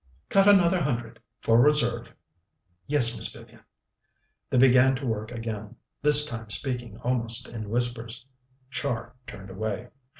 "Cut another hundred, for reserve." "Yes, Miss Vivian." They began to work again, this time speaking almost in whispers. Char turned away.